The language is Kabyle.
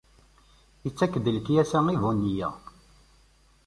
Ittak-d lekyasa i bu nniya.